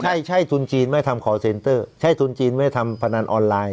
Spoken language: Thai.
ใช่ใช่ทุนจีนไม่ทำคอร์เซนเตอร์ใช้ทุนจีนไม่ทำพนันออนไลน์